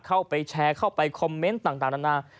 เข้าไปแชร์เข้าไปคอมเมนต์ต่างนานา